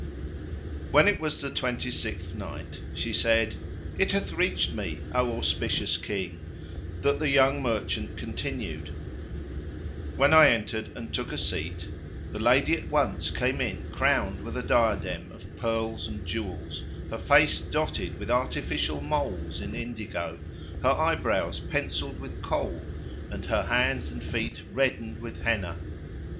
When it was the Twenty sixth Night, She said, It hath reached me, O auspicious King, that the young merchant continued, When I entered and took a seat, the lady at once came in crowned with a diadem[FN#533] of pearls and jewels; her face dotted with artificial moles in indigo,[FN#534] her eyebrows pencilled with Kohl and her hands and feet reddened with Henna.